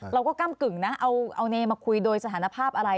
ก้ำกึ่งนะเอาเนมาคุยโดยสถานภาพอะไร